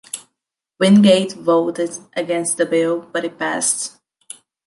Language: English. Wingate voted against the bill, but it passed.